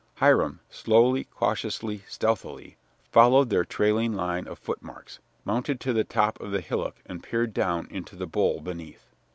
Hiram, slowly, cautiously, stealthily, following their trailing line of footmarks, mounted to the top of the hillock and peered down into the bowl beneath.